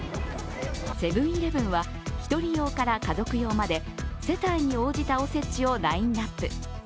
セブン−イレブンは１人用から家族用まで世帯に応じたお節をラインナップ。